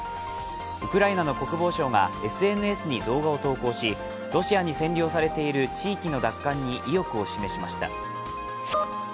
ウクライナの国防省がＳＮＳに動画を投稿しロシアに占領されている地域の奪還に意欲を示しました。